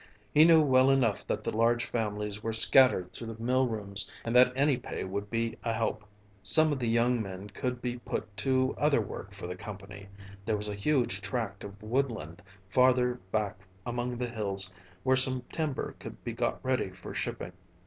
He knew well enough that the large families were scattered through the mill rooms and that any pay would be a help. Some of the young men could be put to other work for the company; there was a huge tract of woodland farther back among the hills where some timber could be got ready for shipping.